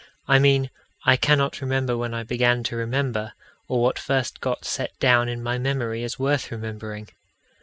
I mean, I cannot remember when I began to remember, or what first got set down in my memory as worth remembering.